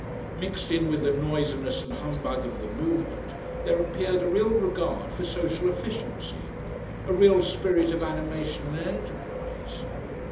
Mixed in with the noisiness and humbug of the movement there appeared a real regard for social efficiency, a real spirit of animation and enterprise.